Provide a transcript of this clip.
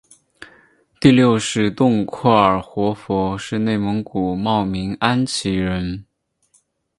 第六世洞阔尔活佛是内蒙古茂明安旗人。